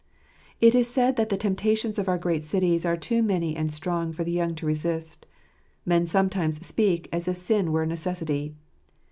It is said that the temptations of our great cities are too many and strong for the young to resist. Men sometimes speak as if sin were a necessity.